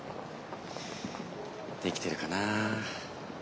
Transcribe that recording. できてるかなあ。